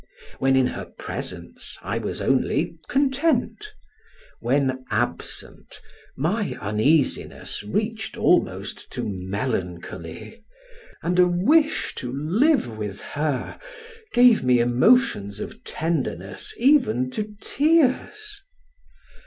When in her presence, I was only content; when absent, my uneasiness reached almost to melancholy, and a wish to live with her gave me emotions of tenderness even to tears.